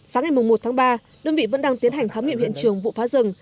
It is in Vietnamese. sáng ngày một tháng ba đơn vị vẫn đang tiến hành khám nghiệm hiện trường vụ phá rừng